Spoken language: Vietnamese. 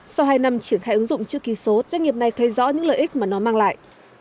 sau hai năm triển khai ứng dụng chữ ký số doanh nghiệp này thấy rõ những lợi ích mà nó mang lại